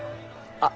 あっ！